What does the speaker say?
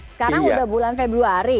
sekarang sudah bulan februari